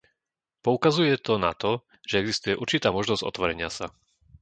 Poukazuje to na to, že existuje určitá možnosť otvorenia sa.